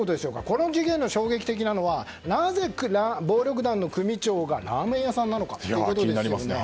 この事件で衝撃的なのは、なぜ暴力団の組長がラーメン屋さんなのかということですよね。